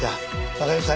わかりました。